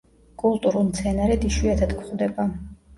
კულტურულ მცენარედ იშვიათად გვხვდება.